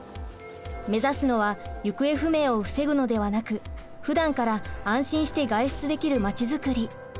目指すのは行方不明を防ぐのではなくふだんから安心して外出できる街づくり。